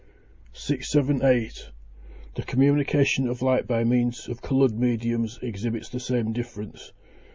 678. The communication of light by means of coloured mediums exhibits the same difference.